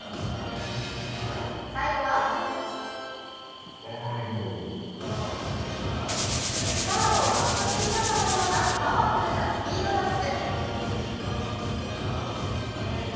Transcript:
最後はスターを獲得したかのようなパワフルなスピードダンス。